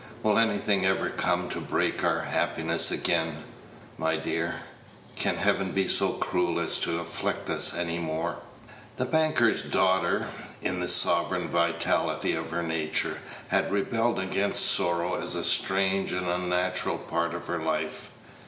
Will anything ever come to break our happiness again, my dear? Can Heaven be so cruel as to afflict us any more?" The banker's daughter, in the sovereign vitality of her nature, had rebelled against sorrow as a strange and unnatural part of her life.